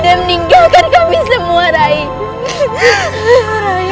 dan meninggalkan kami semua raimu